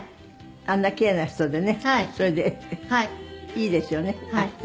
あんなに奇麗な人でねそれでいいですよね。